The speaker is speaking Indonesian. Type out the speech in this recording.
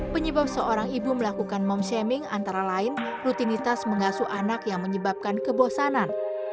penyebab seorang ibu melakukan mom shaming antara lain rutinitas mengasuh anak yang menyebabkan kebosanan